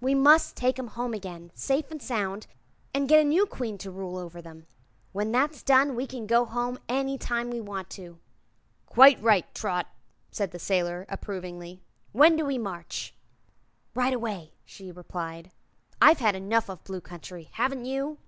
We must take 'em home again, safe an' sound, and get a new Queen to rule over 'em. When that's done we can go home any time we want to." "Quite right, Trot," said the sailor, approvingly. "When do we march?" "Right away," she replied. "I've had enough of the Blue Country. Haven't you?"